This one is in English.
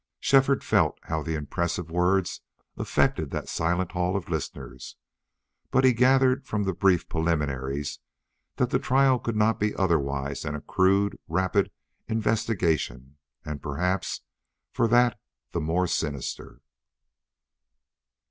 Shefford felt how the impressive words affected that silent hall of listeners, but he gathered from the brief preliminaries that the trial could not be otherwise than a crude, rapid investigation, and perhaps for that the more sinister.